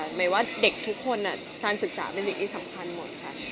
หมายว่าเด็กทุกคนการศึกษาเป็นสิ่งที่สำคัญหมดค่ะ